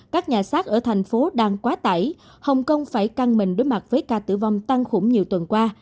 các nhà sát ở thành phố đang quá tải hồng kông phải căng mình đối mặt với ca tử vong tăng khủng nhiều tuần qua